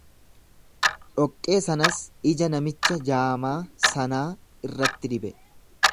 Dhoqqee sanas ija namicha jaamaa sanaa irratti dibe.